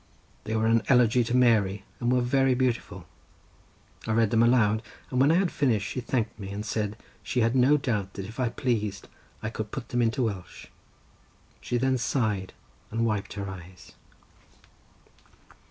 They were an Elegy to Mary, and were very beautiful. I read them aloud, and when I had finished she thanked me and said she had no doubt that if I pleased I could put them into Welsh. She then sighed and wiped her eyes.